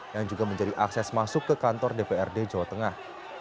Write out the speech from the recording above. yang juga menjadi akses masuk ke kantor dprd jawa tengah